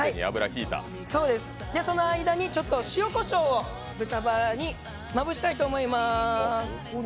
その間にちょっと豚バラに塩こしょうにまぶしたいと思います。